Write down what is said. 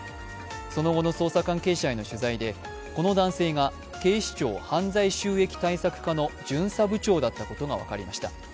その後の捜査関係者への取材でこの男性が警視庁犯罪収益対策課の巡査部長だったことが分かりました。